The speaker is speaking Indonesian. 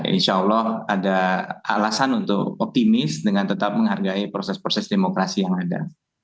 insya allah ada alasan untuk optimis dengan tetap menghargai proses proses demokrasi yang ada